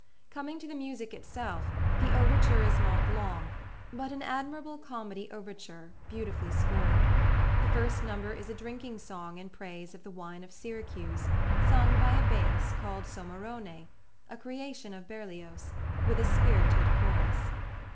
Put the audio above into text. Coming to the music itself, the overture is not long, but an admirable comedy overture, beautifully scored. The first number is a drinking song in praise of the wine of Syracuse, sung by a bass called Somarone, a creation of Berlioz, with a spirited chorus.